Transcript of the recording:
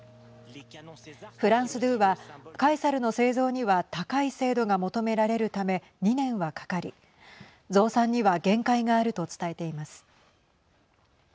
フランス２はカエサルの製造には高い精度が求められるため２年はかかり増産には限界があると伝えています。